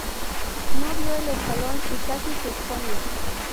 No vio el escalón y casi se escoña